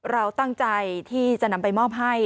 เราตั้งใจที่จะนำไปมอบให้